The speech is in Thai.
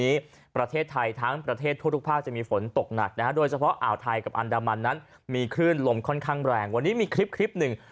ที่ประเทศใต้ทั้งประเทศทุกภาคจะมีฝนตกหนักนะฮะโดยเฉพาะอ่าวไทยกับอัลดามันนั้นมีคลื่นลมค่อนข้างแรง